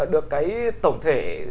được cái tổng thể